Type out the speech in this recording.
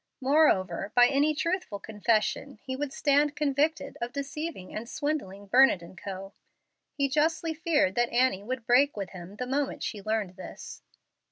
Moreover, by any truthful confession he would stand convicted of deceiving and swindling Burnett & Co. He justly feared that Annie would break with him the moment she learned this.